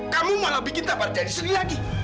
kamu malah bikin tampar jadi sedih lagi